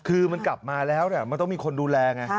คือมันกลับมาแล้วมันต้องมีคนดูแลไง